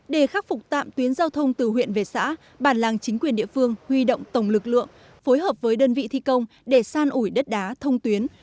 để khắc phục tạm tuyến giao thông từ huyện về xã bản làng chính quyền địa phương huy động tổng lực lượng phối hợp với đơn vị thi công để san ủi đất đá thông tuyến